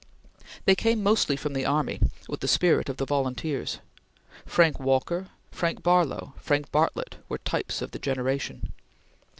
They came mostly from the army, with the spirit of the volunteers. Frank Walker, Frank Barlow, Frank Bartlett were types of the generation.